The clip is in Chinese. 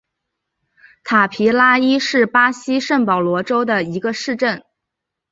塔皮拉伊是巴西圣保罗州的一个市镇。